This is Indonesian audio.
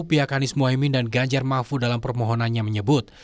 pihak anies mohaimin dan ganjar mahfud dalam permohonannya menyebut